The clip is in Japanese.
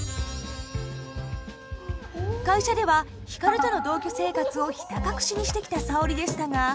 会社では光との同居生活をひた隠しにしてきた沙織でしたが。